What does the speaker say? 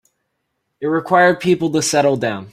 It required people to settle down.